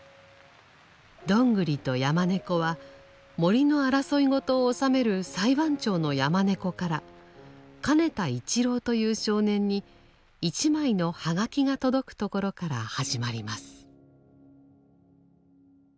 「どんぐりと山猫」は森の争いごとをおさめる裁判長の山猫から「かねた一郎」という少年に一枚のはがきが届くところから始まります。